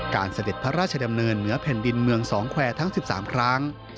เสด็จพระราชดำเนินเหนือแผ่นดินเมืองสองแควร์ทั้ง๑๓ครั้ง